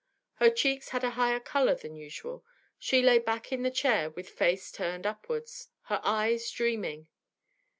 Her cheeks had a higher colour than usual; she lay back in the chair with face turned upwards, her eyes dreaming.